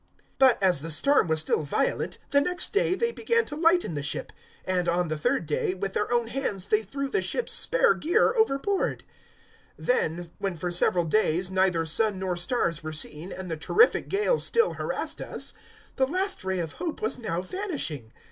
027:018 But, as the storm was still violent, the next day they began to lighten the ship; 027:019 and, on the third day, with their own hands they threw the ship's spare gear overboard. 027:020 Then, when for several days neither sun nor stars were seen and the terrific gale still harassed us, the last ray of hope was now vanishing.